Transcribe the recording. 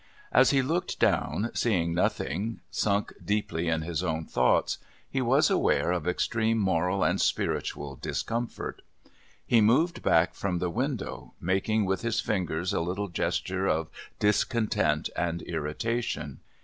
As he looked down, seeing nothing, sunk deeply in his own thoughts, he was aware of extreme moral and spiritual discomfort. He moved back from the window, making with his fingers a little gesture of discontent and irritation.